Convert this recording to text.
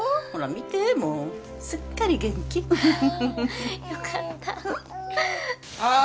見てもうすっかり元気よかったああ